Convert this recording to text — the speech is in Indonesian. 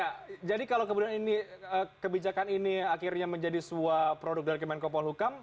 ya jadi kalau kemudian ini kebijakan ini akhirnya menjadi sebuah produk dari kemenkopol hukam